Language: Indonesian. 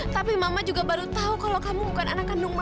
tapi mama juga baru tahu kalau kamu bukan anak kandung